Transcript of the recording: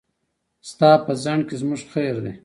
ستا په ځنډ کې زموږ خير دی.